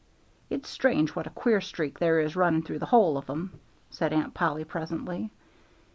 "It's strange what a queer streak there is running through the whole of 'em," said Aunt Polly, presently.